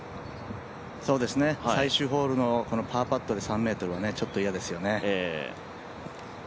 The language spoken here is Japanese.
最終ホールのこのパーパットで３ｍはちょっと嫌ですよね。